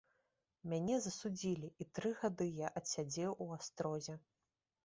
Мяне засудзілі, і тры гады я адсядзеў у астрозе.